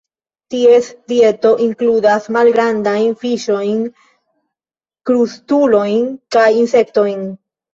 Ties dieto inkludas malgrandajn fiŝojn, krustulojn kaj insektojn.